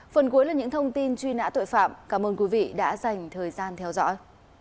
phần cuối là những thông tin truy nã tội phạm cảm ơn quý vị đã dành thời gian theo dõi